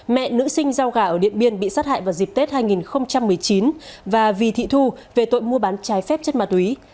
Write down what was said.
mẹ nữ sinh rau gà ở điện biên bị sát hại vào dịp tết hai nghìn một mươi chín và vì thị thu về tội mua bán trái phép chất ma túy